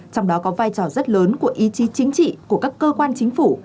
trong đó có vai trò rất lớn của ý chí chính trị của các cơ quan chính phủ